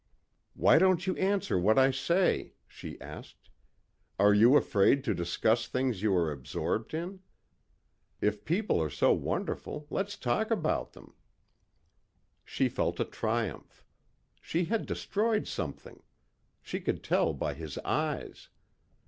"Why don't you answer what I say?" she asked. "Are you afraid to discuss things you are absorbed in? If people are so wonderful let's talk about them." She felt a triumph. She had destroyed something. She could tell by his eyes.